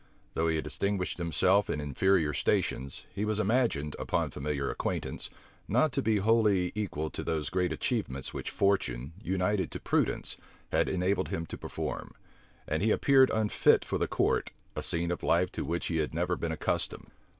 Though he had distinguished himself in inferior stations, he was imagined, upon familiar acquaintance, not to be wholly equal to those great achievements which fortune, united to prudence, had enabled him to perform; and he appeared unfit for the court, a scene of life to which he had never been accustomed.